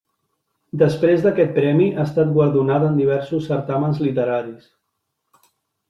Després d'aquest premi, ha estat guardonat en diversos certàmens literaris.